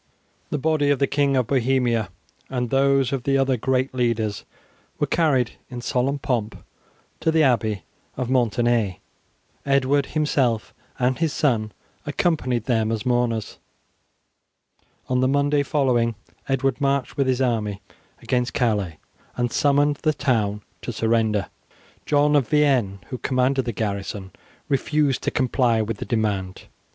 The body of the King of Bohemia and those of the other great leaders were carried in solemn pomp to the Abbey of Maintenay. Edward himself and his son accompanied them as mourners. On the Monday following Edward marched with his army against Calais, and summoned the town to surrender. John of Vienne, who commanded the garrison, refused to comply with the demand.